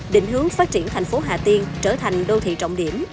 định hướng phát triển thành phố hà tiên trở thành đô thị trọng điểm